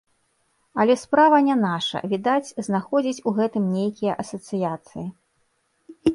Але справа не наша, відаць, знаходзіць у гэтым нейкія асацыяцыі.